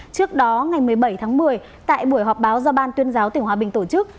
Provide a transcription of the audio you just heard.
trước đó ngày một mươi bảy tháng một mươi tại buổi họp báo do ban tuyên giáo tỉnh hòa bình tổ chức